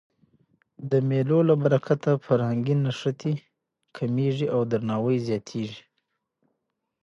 د مېلو له برکته فرهنګي نښتي کمېږي او درناوی زیاتېږي.